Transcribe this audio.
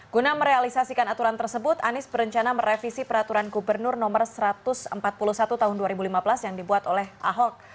guna merealisasikan aturan tersebut anies berencana merevisi peraturan gubernur no satu ratus empat puluh satu tahun dua ribu lima belas yang dibuat oleh ahok